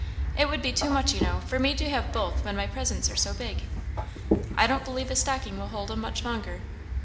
It would be too much, you know, for me to have both when my presents are so big. I don't believe a stocking will hold 'em much longer.